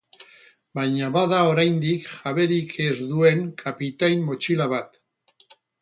Baina bada oraindik jaberik ez duen kapitain motxila bat.